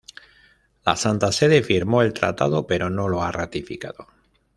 La Santa Sede firmó el tratado pero no lo ha ratificado.